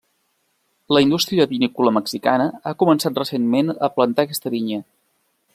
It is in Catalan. La indústria vinícola mexicana ha començat recentment a plantar aquesta vinya.